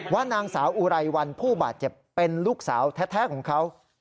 ว่านางสาวอุไรวันผู้บาดเจ็บเป็นลูกสาวแท้ของเขา